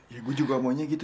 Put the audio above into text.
ya gue juga maunya gitu